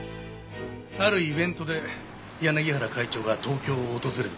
あるイベントで柳原会長が東京を訪れた時。